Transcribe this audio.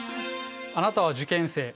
あなたは受験生。